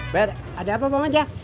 biar ada apa bang aja